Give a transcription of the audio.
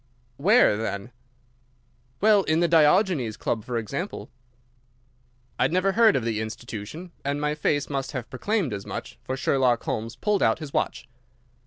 "Where, then?" "Well, in the Diogenes Club, for example." I had never heard of the institution, and my face must have proclaimed as much, for Sherlock Holmes pulled out his watch.